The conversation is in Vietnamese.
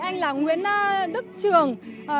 anh là nguyễn đức trường